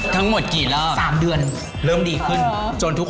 ทั้งหมดกี่ละ๓เดือนเริ่มดีขึ้น